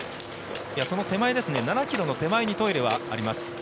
その手前、７ｋｍの手前にトイレはあります。